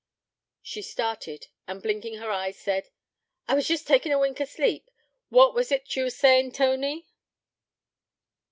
She started, and blinking her eyes, said: 'I was jest takin' a wink o' sleep. What was 't ye were saying, Tony?'